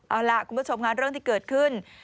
เอาล่ะคุณผู้ชมงานเรื่องที่เกิดขึ้น